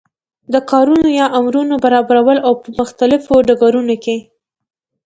د کارونو یا امورو برابرول او په مختلفو ډګرونو کی